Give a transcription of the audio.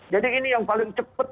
jadi ini yang paling cepat